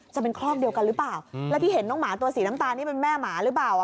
จะเป็นคอกเดียวกันหรือเปล่าแล้วที่เห็นน้องหมาตัวสีน้ำตาลนี่เป็นแม่หมาหรือเปล่า